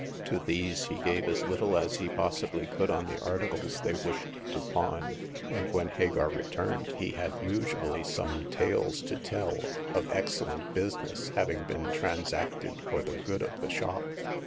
To these he gave as little as he possibly could on the articles they wished The Fourth Ciitstomer. 109 to pawn ; and when Hagar returned he had usually some tales to tell of excellent business having been transacted for the good of the shop.